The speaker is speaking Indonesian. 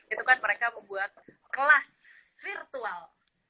itu kan mereka membuat kelas virtual